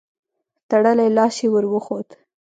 تړلی لاس يې ور وښود.